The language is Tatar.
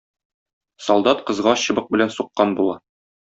Солдат кызга чыбык белән суккан була.